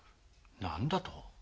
何だと？